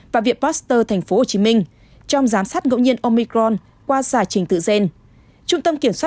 và viện pasteur tp hcm trong giám sát ngẫu nhiên omicron qua giải trình tự gen